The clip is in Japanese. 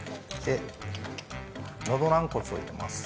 喉軟骨を入れます。